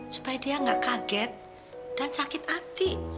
supaya dia nggak kaget dan sakit hati